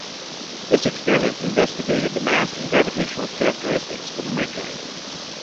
This experiment investigated the mass and gravitational characteristics of Mercury.